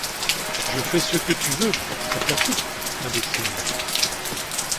Je fais ce que tu veux, ça te la coupe, imbécile!